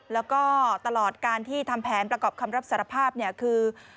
แล้วก็ตลอดการที่ทำแผนประกอบคำรับสารภาพเนี่ยคือ